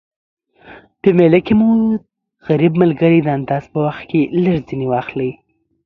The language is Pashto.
په میله کی مو غریب ملګري د انداز په وخت کي لږ ځیني اخلٸ